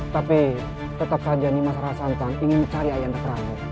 tapi tetap saja nimasara santang ingin mencari ayam terterang